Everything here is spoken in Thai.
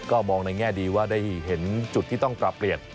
ก็มองในแง่ดีว่าได้เห็นจุดที่ต้องปรับเปลี่ยน